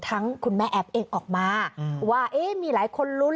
ทั้งคุณแม่แอฟเองออกมาว่ามีหลายคนลุ้น